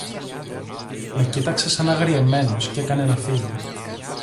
Με κοίταξε σαν αγριεμένος, κι έκανε να φύγει